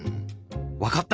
「わかった！」。